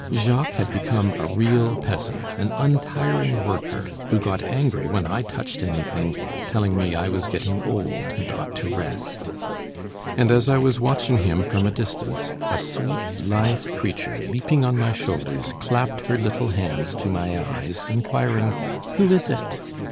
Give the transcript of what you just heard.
Jacques had become a real peasant, an untiring worker, who got angry when I touched anything, telling me I was getting old and ought to rest. And as I was watching him from a distance, a sweet lithe creature, leaping on my shoulders, clapped her little hands to my eyes, inquiring: "Who is it?"